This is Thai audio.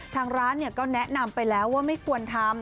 ทางร้านก็แนะนำไปแล้วว่าไม่ควรทำ